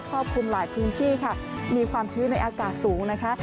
ครอบคลุมหลายพื้นที่ค่ะมีความชื้นในอากาศสูงนะคะ